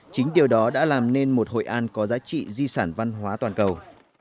chính điều đó đã làm nên một hội an có giá trị di sản văn hóa toàn cầu